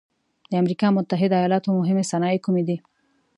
د امریکا متحد ایلاتو مهمې صنایع کومې دي؟